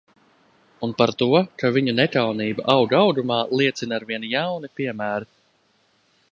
Un par to, ka viņu nekaunība aug augumā, liecina arvien jauni piemēri.